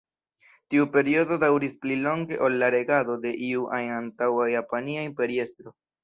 Tiu periodo daŭris pli longe ol la regado de iu ajn antaŭa japania imperiestro.